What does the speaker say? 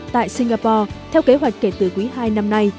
tại singapore theo kế hoạch kể từ quý hai năm nay